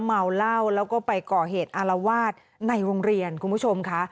เมาเหล้าแล้วก็ไปก่อเหตุอารวาสในโรงเรียนคุณผู้ชมค่ะ